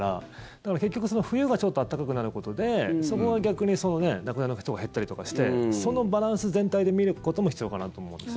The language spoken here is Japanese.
だから結局冬がちょっと暖かくなることでそこが逆に亡くなる人が減ったりとかしてそのバランス全体で見ることも必要かなと思うんです。